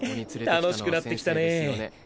楽しくなってきたねぇ。